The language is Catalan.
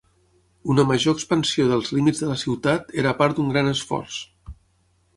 Una major expansió dels límits de la ciutat era part d'un gran esforç.